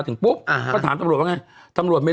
ถึงปุ๊บก็ถามตำรวจว่าไง